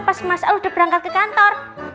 pas mas al udah berangkat ke kantor